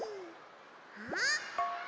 あっ。